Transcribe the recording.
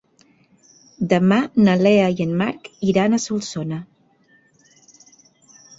Demà na Lea i en Marc iran a Solsona.